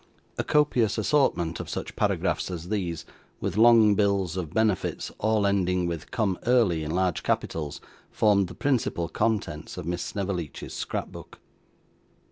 A copious assortment of such paragraphs as these, with long bills of benefits all ending with 'Come Early', in large capitals, formed the principal contents of Miss Snevellicci's scrapbook.